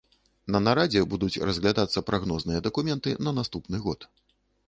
На нарадзе будуць разглядацца прагнозныя дакументы на наступны год.